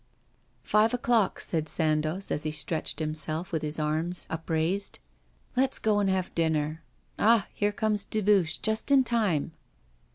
'Five o'clock,' said Sandoz, as he stretched himself, with his arms upraised. 'Let's go and have dinner. Ah! here comes Dubuche, just in time.